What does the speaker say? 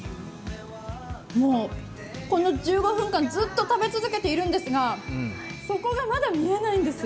もうこの１５分間、ずっと食べ続けているんですが底がまだ見えないんです。